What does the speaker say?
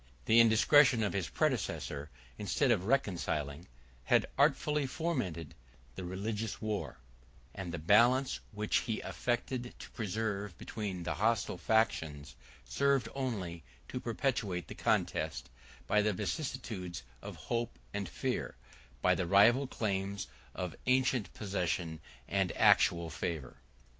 The indiscretion of his predecessor, instead of reconciling, had artfully fomented the religious war: and the balance which he affected to preserve between the hostile factions, served only to perpetuate the contest, by the vicissitudes of hope and fear, by the rival claims of ancient possession and actual favor.